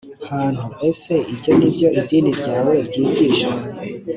hantu ese ibyo ni byo idini ryawe ryigisha